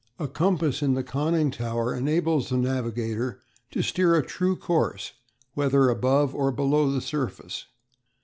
A compass in the conning tower enables the navigator to steer a true course whether above or below the surface.